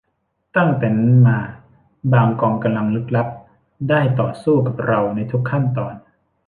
ตั้งแต่นั้นมาบางกองกำลังลึกลับได้ต่อสู้กับเราในทุกขั้นตอน